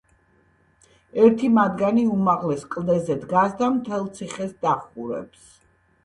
ერთი მათგანი უმაღლეს კლდეზე დგას და მთელ ციხეს დაჰყურებს.